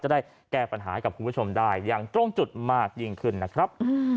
ได้แก้ปัญหาให้กับคุณผู้ชมได้อย่างตรงจุดมากยิ่งขึ้นนะครับ